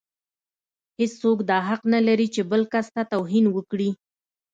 هيڅوک دا حق نه لري چې بل کس ته توهين وکړي.